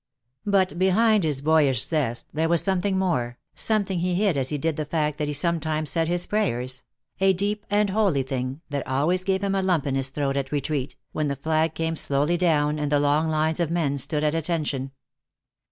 But behind his boyish zest there was something more, something he hid as he did the fact that he sometimes said his prayers; a deep and holy thing, that always gave him a lump in his throat at Retreat, when the flag came slowly down and the long lines of men stood at attention.